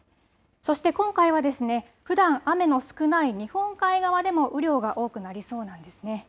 そして今回はですねふだん雨の少ない日本海側でも雨量が多くなりそうなんですね。